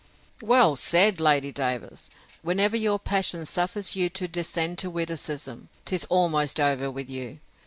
Well said, Lady Davers! Whenever your passion suffers you to descend to witticism; 'tis almost over with you.